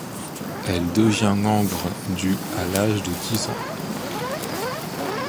Elle devient membre du à l'âge de dix ans.